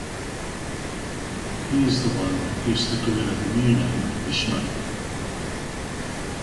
He is the one who gives the gorilla the new name of "Ishmael".